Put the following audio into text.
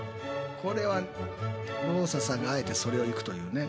これはローサさんがあえてそれをいくというね。